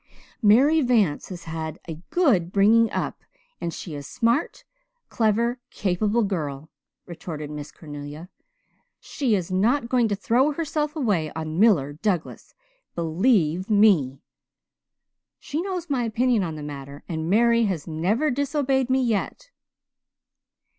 "Mary Vance has had a good bringing up and she is a smart, clever, capable girl," retorted Miss Cornelia. "She is not going to throw herself away on Miller Douglas, believe me! She knows my opinion on the matter and Mary has never disobeyed me yet."